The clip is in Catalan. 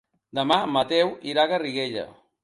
Demà en Mateu irà a Garriguella.